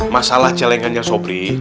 masalah celengannya sobri